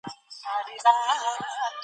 تاسو په میاشت کې څو ځله نوی مسواک اخلئ؟